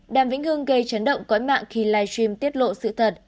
đàm vĩnh hương gây chấn động cõi mạng khi livestream tiết lộ sự thật